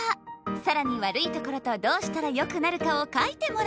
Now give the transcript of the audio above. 更にわるいところとどうしたらよくなるかを書いてもらいます